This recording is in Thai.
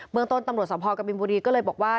เมืองต้นตำรวจสภกบินบุรีก็เลยบอกว่า